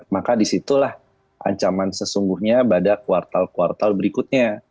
maka disitulah ancaman sesungguhnya pada kuartal kuartal berikutnya